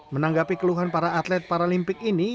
menanggapi keluhan para atlet paralimpik ini